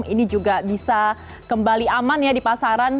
ini juga bisa kembali aman ya